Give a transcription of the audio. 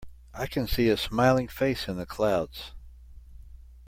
I can see a smiling face in the clouds.